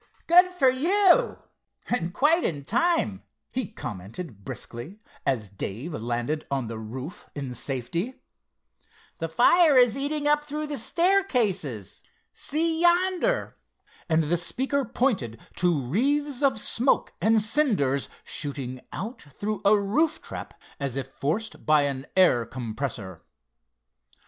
"Good for you, and quite in time," he commented briskly, as Dave landed on the roof in safety. "The fire is eating up through the staircases. See, yonder!" and the speaker pointed to wreaths of smoke and cinders shooting out through a roof trap as if forced by an air compressor.